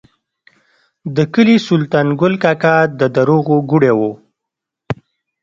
د کلي سلطان ګل کاکا د دروغو ګوډی و.